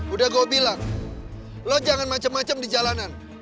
udah gue bilang lo jangan macem macem di jalanan